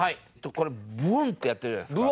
これブォォンってやってるじゃないですか。